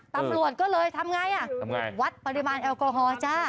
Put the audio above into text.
ตำรวจก็เลยทำไงอ่ะทำไงวัดปริมาณแอลกอฮอล์จ้า